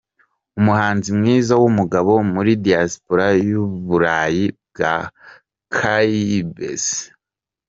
Umuhanzi mwiza w’umugabo muri Diaspora y’Uburayi bwa Caraïbes.